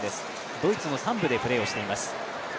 ドイツの３部でプレーをしています